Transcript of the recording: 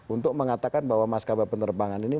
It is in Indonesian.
untuk mengatakan bahwa maskapai penerbangan ini